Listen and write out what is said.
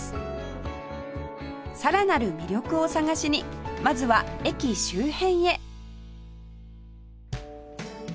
さらなる魅力を探しにまずは駅周辺へ